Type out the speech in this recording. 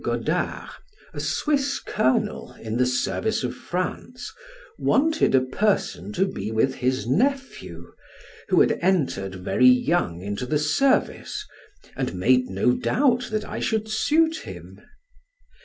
Godard, a Swiss colonel, in the service of France, wanted a person to be with his nephew, who had entered very young into the service, and made no doubt that I should suit him.